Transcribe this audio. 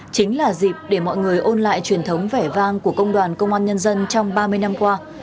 chính là dịp để mọi người ôn lại truyền thống vẻ vang của công đoàn công an nhân dân trong ba mươi năm qua